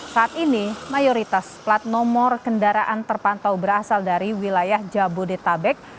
saat ini mayoritas plat nomor kendaraan terpantau berasal dari wilayah jabodetabek